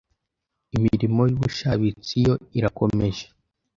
Imirimo y'ubushabitsi yo irakomeje